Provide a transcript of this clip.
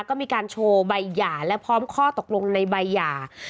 ก็มีการโชว์ใบหย่าและพร้อมข้อตกลงในใบหย่า